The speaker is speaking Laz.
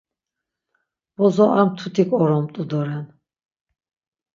Bozo ar mtutik oromt̆u doren.